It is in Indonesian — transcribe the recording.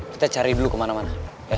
kita cari dulu kemana mana